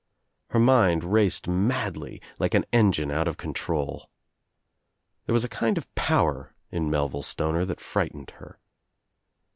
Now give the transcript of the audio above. Her mind raced madly, like an engine out of control. There was a kind of power in Melville Stoner that frightened her.